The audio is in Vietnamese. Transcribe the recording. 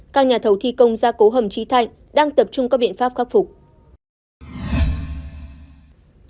các nhà thầu thi công gia cố hầm trí thạnh đang tập trung các biện pháp khắc phục